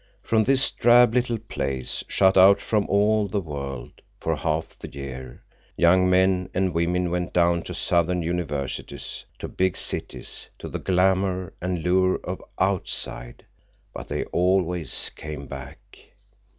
From this drab little place, shut out from all the world for half the year, young men and women went down to southern universities, to big cities, to the glamor and lure of "outside." But they always came back.